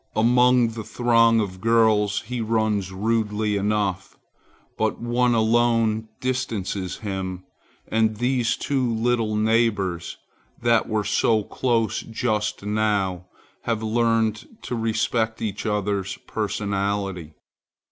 Among the throng of girls he runs rudely enough, but one alone distances him; and these two little neighbors, that were so close just now, have learned to respect each other's personality.